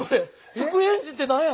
机エンジンってなんや！